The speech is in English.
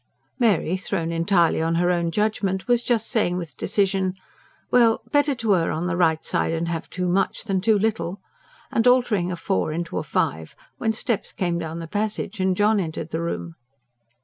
Mary, thrown entirely on her own judgment, was just saying with decision: "Well, better to err on the right side and have too much than too little," and altering a four into a five, when steps came down the passage and John entered the room.